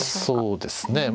そうですね